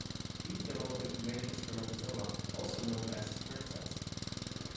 These develop into mature spermatozoa, also known as sperm cells.